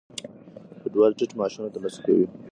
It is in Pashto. کډوال ټیټ معاشونه ترلاسه کوي.